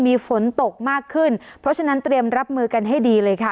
มีฝนตกมากขึ้นเพราะฉะนั้นเตรียมรับมือกันให้ดีเลยค่ะ